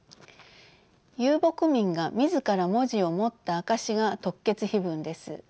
遊牧民が自ら文字を持った証しが突厥碑文です。